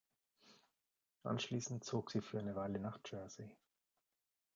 Anschließend zog sie für eine Weile nach Jersey.